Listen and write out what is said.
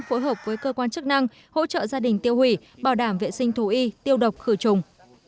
phối hợp với cơ quan chức năng hỗ trợ gia đình tiêu hủy bảo đảm vệ sinh thú y tiêu độc khử trùng